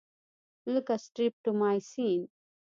لکه سټریپټومایسین.